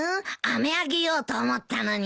あめあげようと思ったのに。